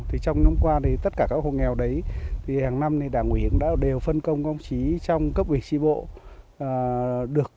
trong năm qua tất cả các hộ nghèo đấy hàng năm đảng nguyễn đã đều phân công công chí trong cấp quyền tri bộ